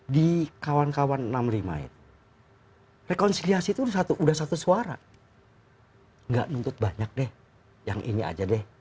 di kawan kawan enam puluh lima itu rekonisiasi itu sudah satu suara nggak nutut banyak deh yang ini aja deh